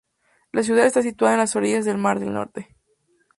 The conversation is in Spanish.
La ciudad está situada a las orillas del Mar del Norte.